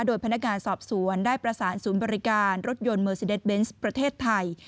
โดยพนักงานสอบสวนได้ประสานศูนย์บริการรถยนต์เมอร์ซีเดสเบนส์ประเทศไทย